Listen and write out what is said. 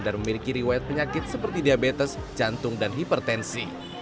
dan memiliki riwayat penyakit seperti diabetes jantung dan hipertensi